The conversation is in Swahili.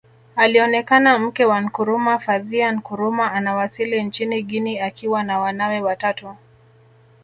Alionekana mke wa Nkrumah Fathia Nkrumah anawasili nchini Guinea akiwa na wanawe watatu